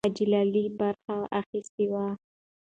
حاجي لالی برخه اخیستې وه.